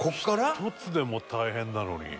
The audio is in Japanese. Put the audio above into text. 「１つでも大変なのに」